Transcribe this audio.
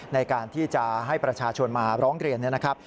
ในการที่จะให้ประชาชนมาร้องเรียนนะครับ